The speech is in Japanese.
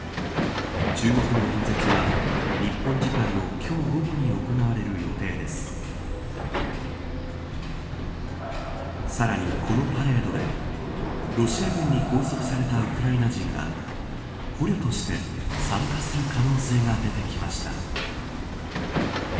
注目の演説は日本時間の今日午後に行われる予定です、さらにこのパレードでロシア軍に拘束されたウクライナ人が捕虜として参加する可能性が出てきました。